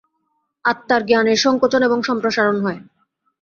আত্মার জ্ঞানের সঙ্কোচন এবং সম্প্রসারণ হয়।